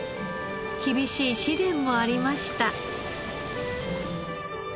厳しい試練もありました。